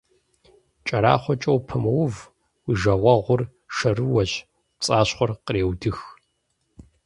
КӀэрахъуэкӀэ упэмыув, уи жагъуэгъур шэрыуэщ, пцӀащхъуэр къреудых.